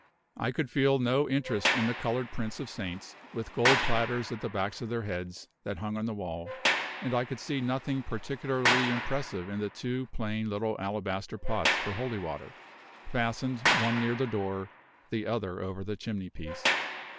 I could feel no interest in the colored prints of saints, with gold platters at the backs of their heads, that hung on the wall; and I could see nothing particularly impressive in the two plain little alabaster pots for holy water, fastened, one near the door, the other over the chimney piece.